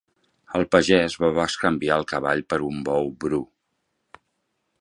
El pagès va bescanviar el cavall per un bou bru.